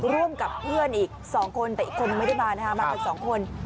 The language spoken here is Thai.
ร่วมกับเพื่อนอีก๒คนแต่อีกคนนึงไม่ได้มานะคะมากันสองคน